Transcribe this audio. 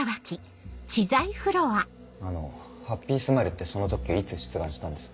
あのハッピースマイルってその特許いつ出願したんです？